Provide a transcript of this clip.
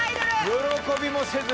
喜びもせず。